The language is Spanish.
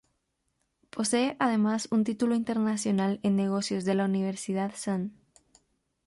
Posee además un título internacional en Negocios de la "Universidad St.